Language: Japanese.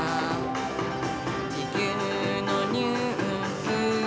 「地球のニュース」